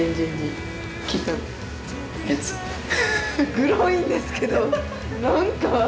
グロいんですけど何か。